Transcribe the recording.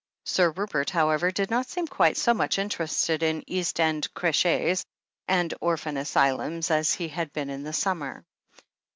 Sir Rupert, however, did not seem quite so much in terested in East End creches and orphan asylums as he had been in the summer.